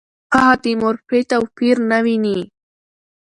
هغه د مورفي توپیر نه ویني.